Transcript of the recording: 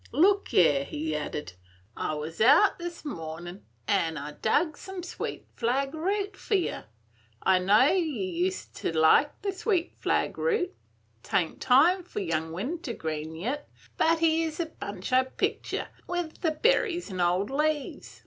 Look 'ere," he added, "I wus out this mornin', an' I dug some sweet flag root for yer. I know ye used ter like sweet flag root. 'T ain't time for young wintergreen yit, but here 's a bunch I picked yer, with the berries an' old leaves.